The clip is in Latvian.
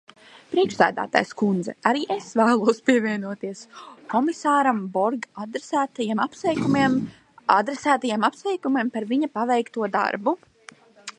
Priekšsēdētājas kundze, arī es vēlos pievienoties komisāram Borg adresētajiem apsveikumiem par viņa paveikto darbu.